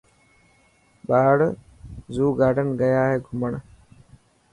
ٻاڙ زو گارڊن گيا هي گھمڻ.